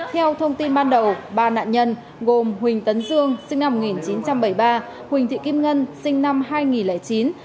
theo thông tin ban đầu ba nạn nhân gồm huỳnh tấn dương sinh năm một nghìn chín trăm bảy mươi ba huỳnh thị kim ngân sinh năm hai nghìn chín